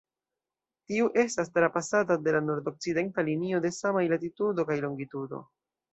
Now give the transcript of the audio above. Tiu estas trapasata de la nordokcidenta linio de samaj latitudo kaj longitudo.